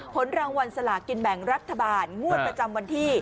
ผลรางวัลสลากินแบ่งรัฐบาลงวดประจำวันที่